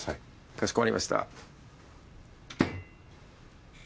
かしこまりました。